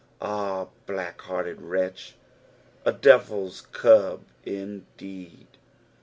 Ah, black henrted wretch! A devil's cub indeed.